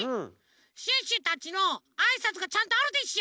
シュッシュたちのあいさつがちゃんとあるでしょ！